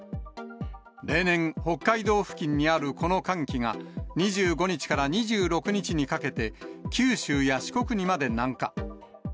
例年、北海道付近にあるこの寒気が、２５日から２６日にかけて、九州や四国にまで南下。